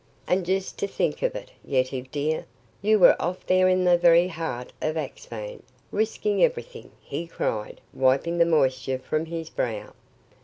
And just to think of it, Yetive, dear, you were off there in the very heart of Axphain, risking everything," he cried, wiping the moisture from his brow.